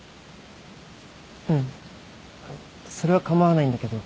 うんそれは構わないんだけど。